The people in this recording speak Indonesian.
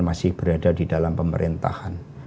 masih berada di dalam pemerintahan